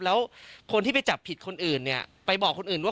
แล้วคนที่ไปจับผิดคนอื่นเนี่ยไปบอกคนอื่นว่า